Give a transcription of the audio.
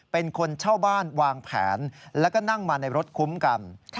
เป็นคนเช่าบ้านวางแผนแล้วก็นั่งมาในรถคุ้มกัน